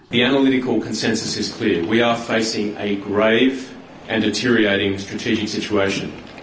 pemerintah new south wales telah mengindikasikan